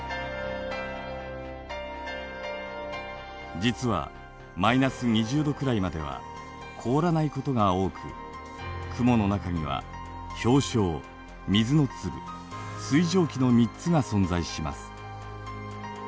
実はマイナス２０度くらいまでは凍らないことが多く雲の中には氷晶水の粒水蒸気の３つが存在します。